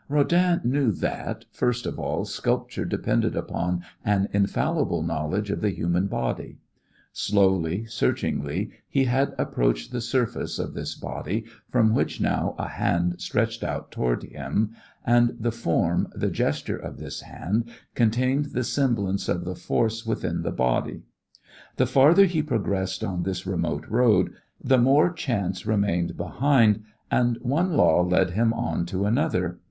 Rodin knew that, first of all, sculpture depended upon an infallible knowledge of the human body. Slowly, searchingly, he had approached the surface of this body from which now a hand stretched out toward him, and the form, the gesture of this hand contained the semblance of the force within the body. The farther he progressed on this remote road, the more chance remained behind, and one law led him on to another.